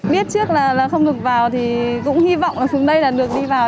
biết trước là không được vào thì cũng hy vọng là xuống đây là được đi vào